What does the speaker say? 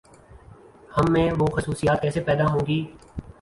ہم میں وہ خصوصیات کیسے پیداہونگی؟